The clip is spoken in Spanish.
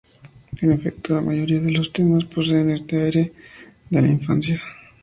En efecto, la mayoría de los temas poseen este "aire" de la infancia.